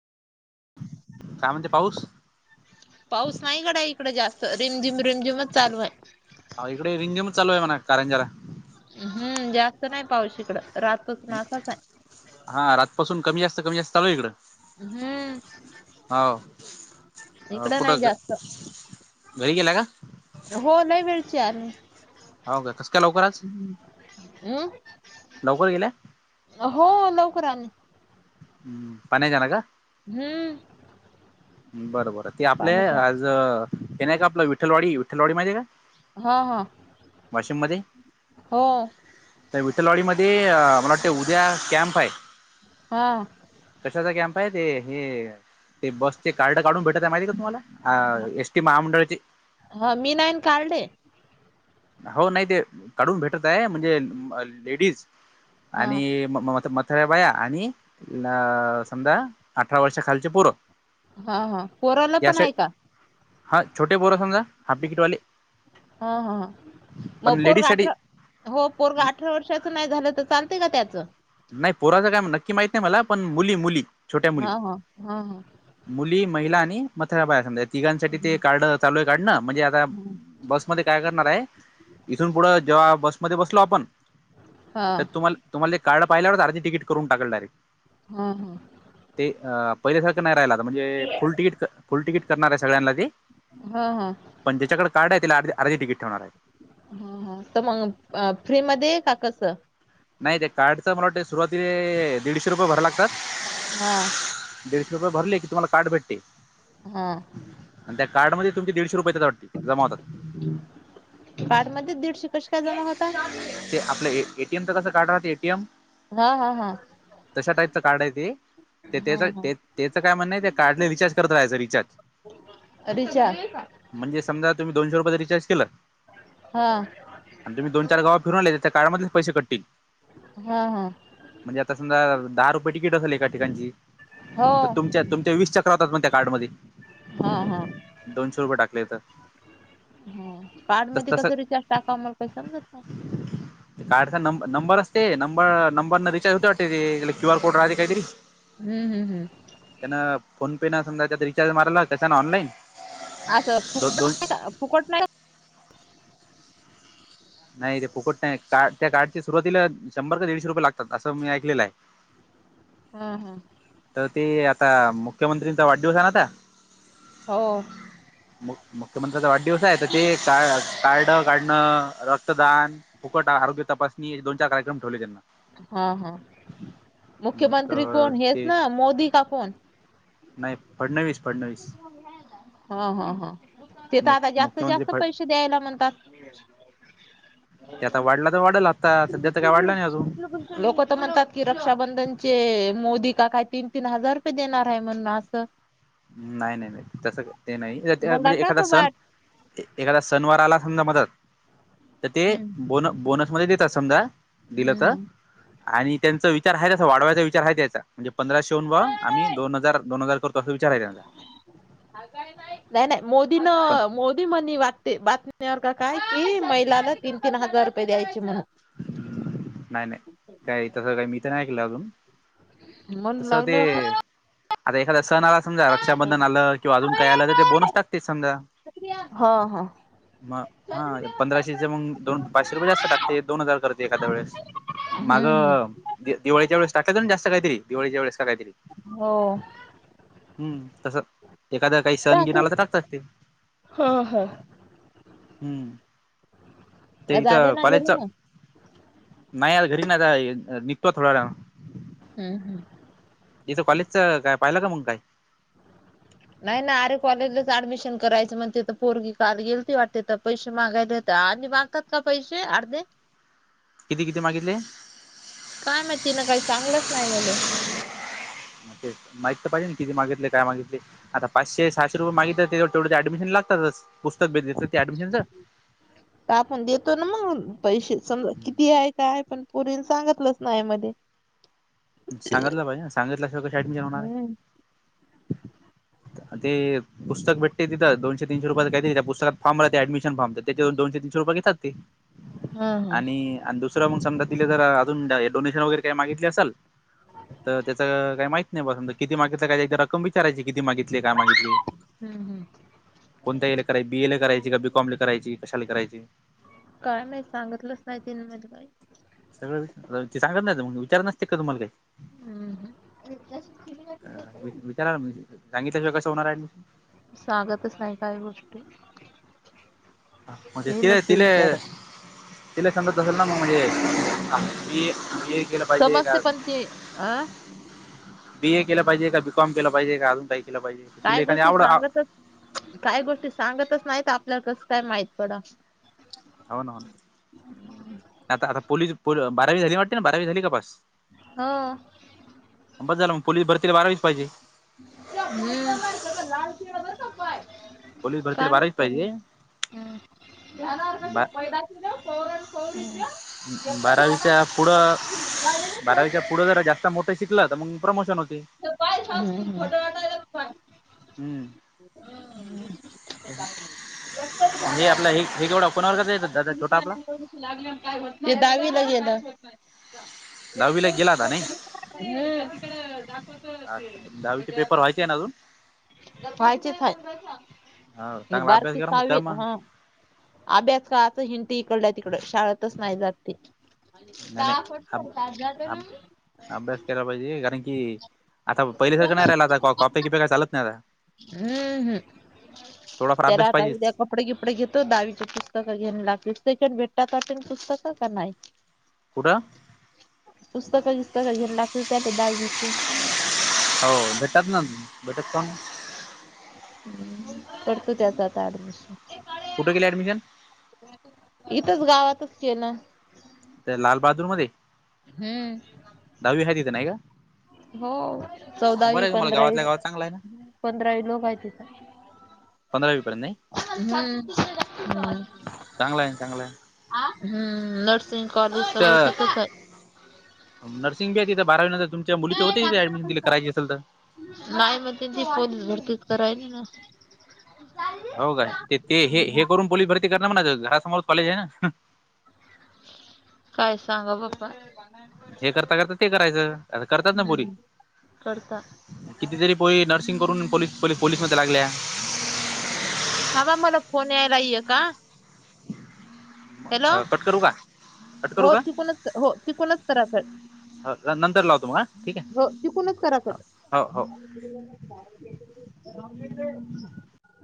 काय म्हणते पाऊस? पाऊस नाही गड्या इकड जास्त रिमझिम रिमझिमच चालू आहे. आ इकड रिमझिमच चालू आहे म्हणा कारंजाला. हम्म जास्त नाही पावश इकड रातपासून असाच आहे. हा रात पासून कमी जास्त कमी जास्त चालूय इकडं. हम्म. हो इकड नाही कुठं जास्त घरी गेला का हो लई वेळचीय आम्ही. हवका कस काय लवकर आज हम्म लवकर गेल्या- हो लवकर आणि- - हम्म पाने जाणा का? हम्म. बर बर ते आपले पाण्याच्या आज हे नाही का आपलं विठ्ठलवाडी विठ्ठलवाडी माहितीय का? हा हा वाशिम मध्ये. हो त्या विठ्ठलवाडी मध्ये मला वाटतंय उद्या कॅम्पाय. हा. कशाचा कॅम्प आहे ते हे ते बस. ते कार्ड काढून भेटत आहे माहिती का तुम्हाला आ एसटी महामंडळाचे. ह मी नाही न काढले. हो नाही ते काढून भेटत आहे म्हणजे लेडीज हा आणि म म आता म सगळ्या बाया आणि समजा अठरा वर्षा खालचे पोरं. हा हा पोराला या पण आहे का हा छोटे पोर समजा. हाफ टिकिटवाले. हा हा ह म लेडीज पोरग साठी अठरा हो पोरग अठरा वर्षाच नाही झालं तर चालतय का त्याचं? नाही पोराचं काय नक्की माहित नाही मला. पण मुली मुली. छोट्या ह मुली ह. ह ह. मुली, महिला आणि मथाऱ्या बाया. या समजा तिघांसाठी ते कार्ड चालूय काढणं. म्हणजे आता बसमध्ये काय करणारे. इथून पुढं जेव्हा बसमध्ये बसलो आपण हा तर तुम्हाला तुम्हाला ते कार्ड पाहिल्यावर अर्ध तिकट करून टाकल डायरेक्ट. ह. ह. ते अ पहिल्यासारखं नाही राहिला आता. म्हणजे फुल टिकीट फुल टिकीट करणारे सगळ्यांना ते. हा हा पण जाच्याकडे कार्ड आहे त्याला अर्ध तिकीट ठेवणारे. ह ह त म फ्री मध्ये का कसं? नाही त्या कार्डच मला वाट सुरुवातीले दीडशे रुपये भरायला लागतात. हा. दीडशे रुपये भरले की तुम्हांला कार्ड भेटते. हा. आणि त्या कार्डमध्ये तुमची दीडशे रुपये येत्यात. जमा होतात. कार्डमध्ये दीडशे कशे काय जमा होतात? ते आपलं हे एटीएमच कसं कार्ड राहते. एटीएम. हा हा हा. तशा टाईपचं कार्डे ते. हा तेच हा तेचं काय म्हणणं ते कार्डले रिचार्ज करत राहायचं. रिचार्ज. अ रीच्या म्हणजे समजा तुम्ही दोनशे रुपयांचा रिचार केलं हा. आणि तुम्ही दोन चार गावा फिरून आले. त्या कार्डमधले च पैसे कटतील. हा हा. म्हणजे आता समजा दहा रुपये तिकीट असेल एका ठिकाणची. हो तर तुमच्या तुमच्या वीसच्या होतात त्या कार्डमध्ये. दोनशे रुपये टाकलेत. ह. कार्ड तस मध्ये तसं कस रिचार्ज टाकाव. मला काही समजचं कार्डचा नं नंबर असते. नंबर नंबर न रिचार्ज होते वाटते ते. क्यू आर कोड राहते कायतरी. हम्म हम्म हम्म. त्यान फोन पे न समजा त्या रिचार्ज मारला कशानं ऑनलाईन. असं दो फुकट दोन राहते का फुकट नाही. नाही ते फुकट नाही. का त्या कार्डच्या सुरुवातीला शंभर का दीडशे रुपये लागतात. असं मी ऐकलेलं आहे. ह ह. तर ते आता मुख्यमंत्रीचा वाढदिवस आहे ना आता. हो. मु मुख्यमंत्र्याचा वाढदिवस आहे तर ते कार्ड काढणं र रक्तदान. फुकट आरोग्य तपासणी. असे दोन चार कार्यक्रम ठेवले त्यांनं. हा हा. मुख्यमंत्री तर कोण हेच ते ना मोदी का कोण? नाही फडणवीस. फडणवीस. हा ह, ह तेथ मु आता जास्त, मुख्यमंत्री जास्त फड पैसे द्यायला म्हणता ते आता वाढला तर वाढलाच [unintelligible] लोकं तर म्हणतात की रक्षाबंधनचे मोदी का काय तीन, तीन हजार रुपये देणार आहे म्हणून असं नाही, नाही, नाही तसं ते नाही मला म्हणजे का एखादा का सण बाट एखादा सनवार आला समजा मधात तर ते बोन बोनसमध्ये देतात समजा दिलं तर हम्म आणि त्यांचा विचार आहे तस वाढवायाचा विचार आहे त्यांचा म्हणजे पंधराशे हून बुवा आम्ही दोन हजार, दोन हजार करतो असा विचार आहे त्यांचा नाही, नाही मोदी न पण मोदी म्हणे वाटते बात बातमीवर का काय कि महिलाला तीन, तीन हजार रुपये द्यायचे म्हण नाही, नाही काही तसं काही मी तर नाही ऐकलं अजून म्हण तसं ते लागलं पण आता एखादा सण आलास समजा रक्षाबंधन आलं किंवा अजून काही आलं तर ते बोनस टाकतेच समजा हो मग हा पंधराशे मग दोन पाचशे रुपये जास्त टाक ते दोन हजार करते एखाद वेळेस हम्म हम्म मागं दिवाळीच्या वळेस टाकले होते ना जास्त काहीतरी दिवाळीच्या वेळेस का काहीतरी हो हम्म तसं एखादा काही सण गीन आला तर हो टाकतात ते हो हम्म ते आज आले इथं ना कॉलेजच घरी मग नाही आ घरी ना आ निघतो थोड्या वेळाने हम्म हम्म इथं कॉलेजचं काय पाहिलं का मग काय नाही ना अरे कॉलेजलाच ऍडमिशन करायचं मग तेथ तर पोरगी काल गेल ती वाटते तर पैसे मागायला तर आणि माग [unintelligible] का पैसे अर्धे किती, किती मागितले काय माहीत तिन काही सांगलच नाही मले तेच माहित तर पाहिजे ना किती मागितले काय मागितले आता पाचशे, सहाशे रुपये मागितले तेच्यावर तेवढं ते ऍडमिशन लागतातच पुस्तक भी देतात ते अँडमिशनच [unintelligible] आपण देतो ना मग पैसे समजा किती आहे काय पण पोरीन सांगितलंच नाय मध्ये सांगितलं पाहिजे ना सांगितल्या शिवाय कशी ऍडमिशन होणार आहे हम्म ते पुस्तक भेटते तिते दोनशे, तीनशे रुपया का त्या पुस्तकात फाम ऍडमिशन फाम तर त्याच्या दोनशे, तीनशे रुपये घेतात ते हा हा आणि, आणि दुसरं मग समजा तिला जर अजून डोनेशन वगैरे काही मागितले असेल तर त्याच काही माईत नाही बसून किती मागितली काय एकदा रक्कम विचारायची किती मागित तले काय मागितले हम्म, हम् कोणत एले कराय बीए ल करायची का बीकॉम करायची कशाला करायची? काय माहीत सांगितलंच नाही तिन मज काय सगळं ते सांगत नाही मग विचार नसते का तुम्हाला काही हम्म हम्म. अ वि विचार सांगितल्याशिवाय कस होणार आहे सागताच नाही काय गोष्टी म्हज हे त नसतं तिलेऽ विचार तिला समजत असेल ना मग म्हणजे, हे केलंऽ समजते पण ते, अहऽ बी, ए केलं पाहिजे, का बी, कॉम केलं पाहिजे, का अजून काही केलं पाहिजे? तिला काय एखादी गोष्टी आवड हो सांगतच, काय गोष्टी सांगतच नाहीत, आपल्याला कस काय माहित पडा. हो ना, आता, आता पोलीस बारावी झाली वाटते ना, बारावी झाली का पास? हो, बस झालं मग, पोलीस भरतीली बारावीच पायजे. हम्म्म. पोलीस भरतीला बारावीच पाहिजे [unintelligible] बा [unintelligible] बारावीच्या पुढं, गाडीने बारावीच्या खायचं पुढं जरा जास्त मोठ शिकल तर मग प्रमोशन होते. तो काय सांगू, खोटं वाटलंय. हम्म, एकतरी म्हणजे ध्यानावर आपला हे, हे पडलं, केवढा कोणावरगच येतात, दादा तिन्ही छोटा आपला? पायाने एवढी ते धावीला गेल. दहावीला गेलाता नाही, हम्म. अच दहावीचे पेपर व्हायचे आहे ना अजून? वायचेच हाय, हो ही चांगला अभ्यास बारकी करा मग कर सवीेत, मग हा अभ्यास कळाच हिंटी, इकडल्या -तिकड शाळेतच नाही जात ते. नाही नाही अब अब [unintelligible] अभ्यास केला पाहिजे, कारण कि आता पहिली सारखं नाही राहिल आता, कॉपी किप्या काय चालत नाही आता. हम्म. हम्,, थोडाफार तेला अभ्यास आता उद्या पाहिजेच कपडे- किपडे घेतो, दावीची पुस्तकं घेय लागतील, सकड तेचान भेटतात पुस्तकं, का नाही? कुठं? पुस्तक, बिस्तक घेणं लागत की आता दहावीच. हो भेटात ना, भेटत पण हम्, करतो त्याच आता ऍडमिशन. कुठ केलंय ऍडमिशन? इथंच गावातच केलं. त्या लालबहादूर मध्ये. हम्म. दहावी हाय तिथं नाही का! हो, बरं चौदावी आहे मला -पंधरावी गावातल्या गावात चांगला आहे ना पंधरावी लोक हायतीत. पंधरावी पर्यंत नाही हम्, हम्म चांगला आहे चांगला आहे हम्म, नर्सिंग कॉलेज सगळं तर तिथेच हाय. नर्सिंग बी हाय तिथं, बारावीनंतर तुमच्या मुलीच होते तिथं एडमिशन दि करायची असेल तर नाही मग त्यांची पोन भरती कराय राहीली ना हो काय? ते ते हे हे करून पोलीस भरती करणार म्हणा घरासमोर कॉलेज आहे ना. काय सांगा बाप्पा. हे करता, करता ते करायचं. आता करतात ना बोरी हम्म करता कितीतरी पोरी नर्सिंग करून पोलीस पोलीस मध्ये लागल्या. थांबा. मला फोन यायलाय एका हॅलो. अ, कट करू का कट करू हो का चुकूनच हो चुकूनच करायचाय. हा नंतर लावतो म हा. ठीक आहे हो तिथुनच करा कट. हो हो [unintelligible]